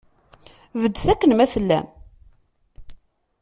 Beddet akken ma tellam.